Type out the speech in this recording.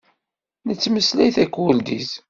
Nettmeslay takurdit.